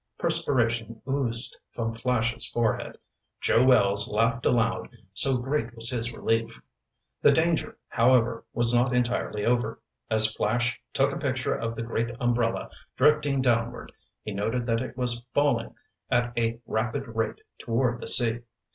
Perspiration oozed from Flash's forehead. Joe Wells laughed aloud, so great was his relief. The danger, however, was not entirely over. As Flash took a picture of the great umbrella drifting downward, he noted that it was falling at a rapid rate toward the sea.